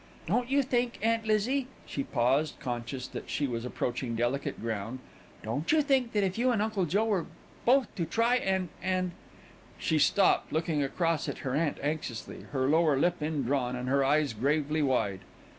"Don't you think, Aunt Lizzie " she paused, conscious that she was approaching delicate ground. "Don't you think that if you and Uncle Joe were both to try and and " she stopped, looking across at her aunt anxiously, her lower lip indrawn and her eyes gravely wide.